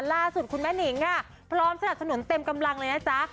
ล่าสุดคุณแม่นิงค่ะพร้อมสนับสนุนเต็มกำลังเลยนะจ๊ะ